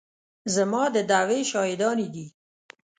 زما د دعوې شاهدانې دي.